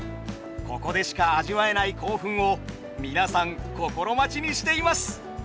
ここでしか味わえない興奮を皆さん心待ちにしています。